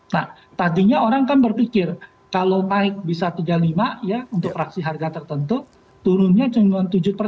nah tadinya orang kan berpikir kalau naik bisa tiga puluh lima ya untuk fraksi harga tertentu turunnya cuma tujuh